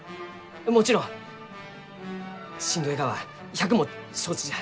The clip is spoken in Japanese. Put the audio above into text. もちろんしんどいがは百も承知じゃ。